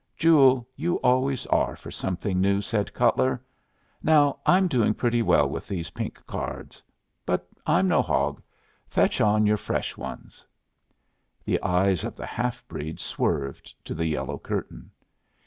"Joole, you always are for something new," said Cutler. "Now I'm doing pretty well with these pink cards. But I'm no hog. Fetch on your fresh ones." The eyes of the half breed swerved to the yellow curtain.